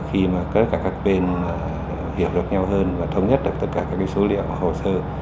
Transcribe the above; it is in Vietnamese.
khi các bên hiểu được nhau hơn và thống nhất tất cả các số liệu và hồ sơ